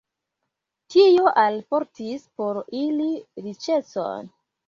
Tio alportis por ili riĉecon.